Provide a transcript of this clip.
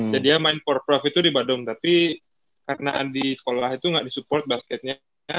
jadinya main for profit tuh di badung tapi karena di sekolah itu gak di support basketnya